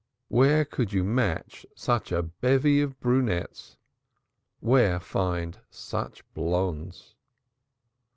Where could you match such a bevy of brunettes, where find such blondes?